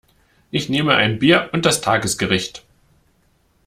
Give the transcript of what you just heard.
Ich nehme ein Bier und das Tagesgericht.